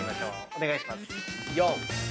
お願いします。